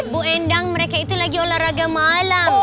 bu endang mereka itu lagi olahraga malam